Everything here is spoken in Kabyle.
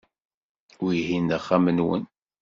Wihin d axxam-nwen.